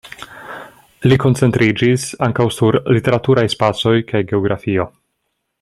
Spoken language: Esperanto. Li koncentriĝis ankaŭ sur literaturaj spacoj kaj geografio.